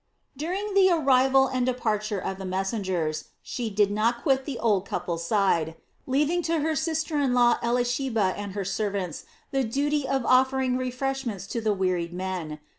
During the arrival and departure of the messengers she did not quit the old couple's side, leaving to her sister in law Elisheba and her servants the duty of offering refreshments to the wearied men.